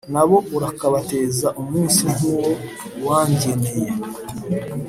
Na bo urakabateza umunsi nk’uwo wangeneye,